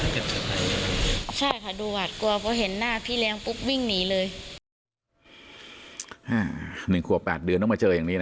ใช่ค่ะดูหวาดกลัวเพราะเห็นหน้าพี่เลี้ยงปุ๊บวิ่งหนีเลยอ่าหนึ่งขวบแปดเดือนต้องมาเจออย่างนี้นะ